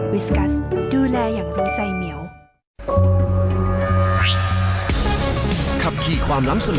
วิสกัสดูแลอย่างรู้ใจเหมียว